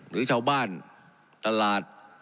หรือชาวบ้านตลาด